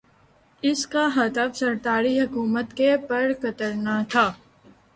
اس کا ہدف زرداری حکومت کے پر کترنا تھا۔